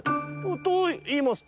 「といいますと？」。